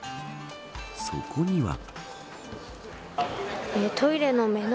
そこには。